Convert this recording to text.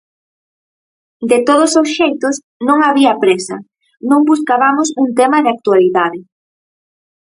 De todos os xeitos, non había présa, non buscabamos un tema de actualidade.